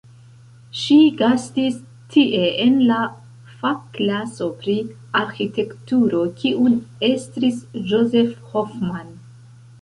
Ŝi gastis tie en la fakklaso pri arĥitekturo kiun estris Josef Hoffmann.